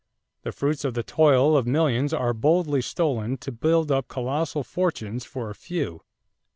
The fruits of the toil of millions are boldly stolen to build up colossal fortunes for a few."